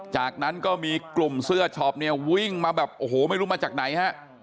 จากนั้นก็มีกลุ่มเสื้อช็อปเนี่ยวิ่งมาแบบโอ้โหไม่รู้มาจากไหนฮะ